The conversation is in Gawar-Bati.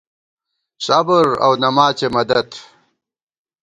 صبر اؤ نماڅے مدد